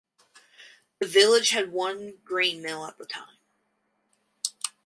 The village had one grain mill at the time.